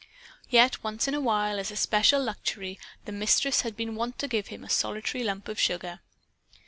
Yet, once in a while, as a special luxury, the Mistress had been wont to give him a solitary lump of sugar.